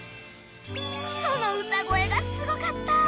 その歌声がすごかった！